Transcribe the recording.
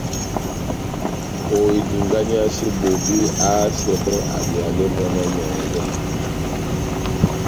Ohilinganiyase bobé, ahásɛ bɔ́ adiyalɛ mwána nyɔ́ngwɛ.